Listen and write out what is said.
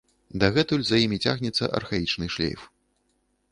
Дагэтуль за імі цягнецца архаічны шлейф.